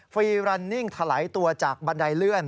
ฟีรันนิ่งถลายตัวจากบันไดเลื่อน